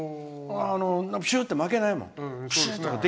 しゅーってまけないもん。